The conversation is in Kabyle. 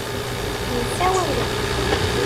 Msawalen.